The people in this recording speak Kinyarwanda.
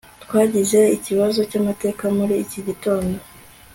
twagize ikibazo cyamateka muri iki gitondo